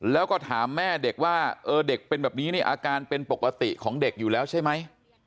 แล้วก็ถามแม่เด็กว่าเด็กเป็นแบบนี้เนี่ยอาการเป็นปกติของเด็กอยู่แล้วใช่ไหม